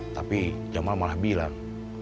tapi jamal malah bilang